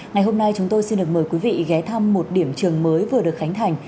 ngày hôm nay chúng tôi xin được mời quý vị ghé thăm một điểm trường mới vừa được khánh thành